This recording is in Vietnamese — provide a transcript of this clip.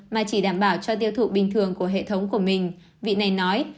mà chỉ đảm bảo cho tiêu thụ bình thường của hệ thống của mình vị này nói